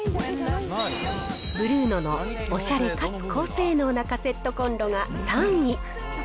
ブルーノのおしゃれかつ高性能のカセットコンロが３位。